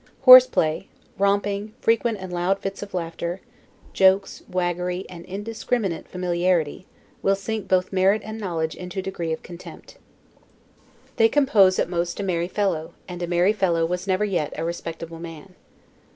] Horse play, romping, frequent and loud fits of laughter, jokes, waggery, and indiscriminate familiarity, will sink both merit and knowledge into a degree of contempt. They compose at most a merry fellow; and a merry fellow was never yet a respectable man.